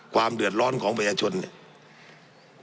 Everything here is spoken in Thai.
ความเดือดร้อนของประชาชนเนี่ย